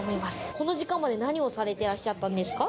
この時間まで何をされてらっしゃったんですか？